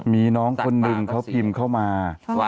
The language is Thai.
มีน้องคนหนึ่งเขาพิมพ์เข้ามา